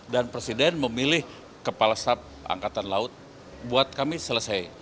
dan presiden memilih kepala staf angkatan laut buat kami selesai